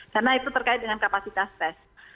karena itu terkait dengan kapasitas tes